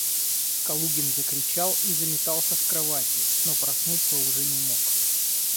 Калугин закричал и заметался в кровати, но проснуться уже не мог.